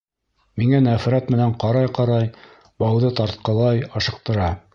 Миңә нәфрәт менән ҡарай-ҡарай бауҙы тартҡылай, ашыҡтыра.